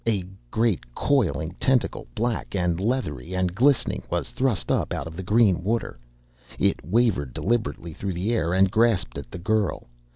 A great coiling tentacle, black and leathery and glistening, was thrust up out of the green water. It wavered deliberately through the air and grasped at the girl.